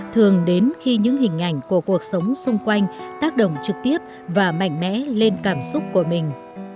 thường đến khi những hình ảnh của cuộc sống xung quanh tác động trực tiếp và mạnh mẽ lên cảm xúc của mình